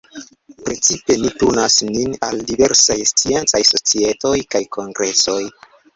Precipe ni turnas nin al diversaj sciencaj societoj kaj kongresoj.